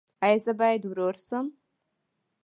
ایا زه باید ورور شم؟